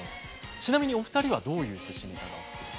ちなみにお二人はどういうすしネタがお好きですか？